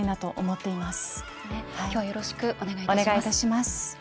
きょうはよろしくお願いいたします。